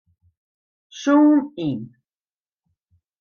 Zoom yn.